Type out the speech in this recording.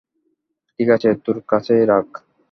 ঠিক আছে, তোর কাছেই রাখ।